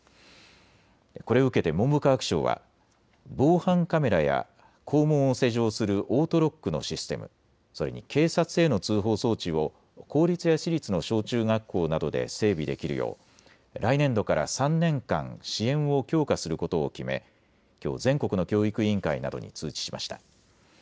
これを受けて文部科学省は防犯カメラや校門を施錠するオートロックのシステム、それに警察への通報装置を公立や私立の小中学校などで整備できるよう来年度から３年間、支援を強化することを決めきょう全国の教育委員会などに通知しました。